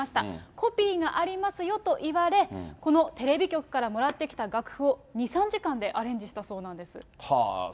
コピーがありますよと言われ、このテレビ局からもらってきた楽譜を２、３時間でアレンジしたそうなんです。